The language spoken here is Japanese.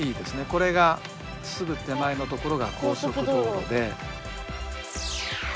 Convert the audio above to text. これがすぐ手前のところが高速道路で。